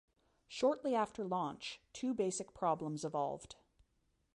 Shortly after launch, two basic problems evolved.